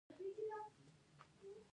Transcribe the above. ایا درمل مو پیل کړي دي؟